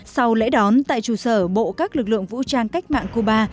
sau lễ đón tại trụ sở bộ các lực lượng vũ trang cách mạng cuba